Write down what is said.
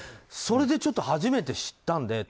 それで、初めて知ったので。